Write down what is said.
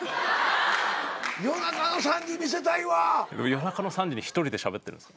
夜中の３時に一人でしゃべってるんですか？